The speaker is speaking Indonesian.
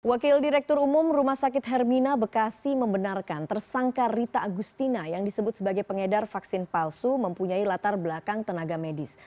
wakil direktur umum rumah sakit hermina bekasi membenarkan tersangka rita agustina yang disebut sebagai pengedar vaksin palsu mempunyai latar belakang tenaga medis